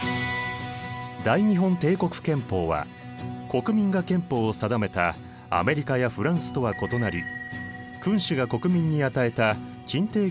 大日本帝国憲法は国民が憲法を定めたアメリカやフランスとは異なり君主が国民に与えた欽定憲法だった。